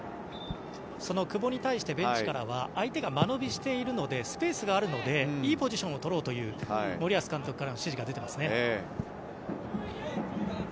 その久保に対してベンチからは相手が間延びしているのでスペースがあるのでいいポジションをとろうという森保監督からの指示が出ていますね。